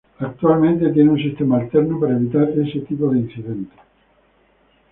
Actualmente tiene un sistema alterno para evitar este tipo de incidentes.